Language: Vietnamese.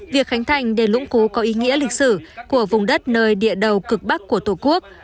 việc khánh thành đền lũng cú có ý nghĩa lịch sử của vùng đất nơi địa đầu cực bắc của tổ quốc